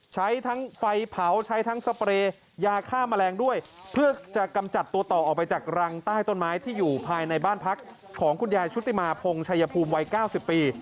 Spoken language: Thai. ใช้ทั้งไฟเผาใช้ทั้งสเปรย์ยาฆ่าแมลงด้วยเพื่อจะกำจัดตัวต่อออกไปจากรังใต้ต้นไม้ที่อยู่ภายในบ้านพักของคุณยายชุติมาพงชัยภูมิวัย๙๐ปี